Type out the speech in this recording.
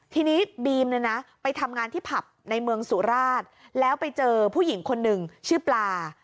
ทีนี้บีมเนี่ยนะไปทำงานที่ผับในเมืองสุราชแล้วไปเจอผู้หญิงคนหนึ่งชื่อปลา